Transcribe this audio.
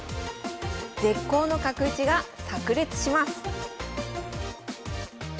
絶好の角打ちがさく裂します